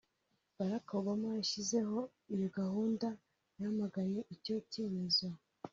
Barrack Obama washyizeho iyo gahunda yamaganye icyo cyemezo